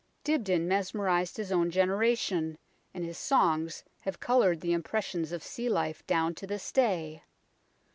Dibdin mesmerized his own generation, and his songs have coloured the impressions of sea life down to this day.